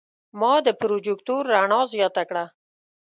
ما د پروجیکتور رڼا زیاته کړه.